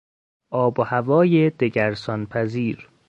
آب و هوای دگرسانپذیر